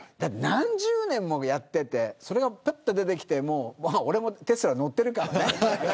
何十年もやっててそれがぽっと出てきて俺もテスラに乗ってるからね。